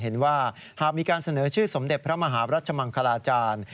เห็นว่าหากมีการเสนอชื่อสมเด็จพระมหาราชมังคลาจาน